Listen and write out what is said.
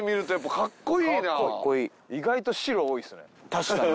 確かに。